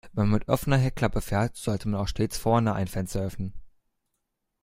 Wenn man mit offener Heckklappe fährt, sollte man stets auch vorne ein Fenster öffnen.